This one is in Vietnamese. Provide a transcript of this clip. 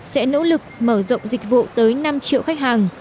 sẽ nỗ lực mở rộng dịch vụ tới năm triệu khách hàng